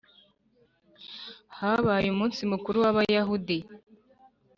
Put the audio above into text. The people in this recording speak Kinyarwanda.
habaye umunsi mukuru w Abayahudi